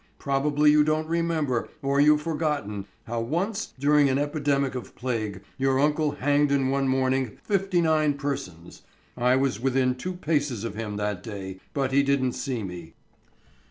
Probably you don't remember, or you've forgotten, how once, during an epidemic of plague, your uncle hanged in one morning fifty nine persons. I was within two paces of him that day, but he didn't see me."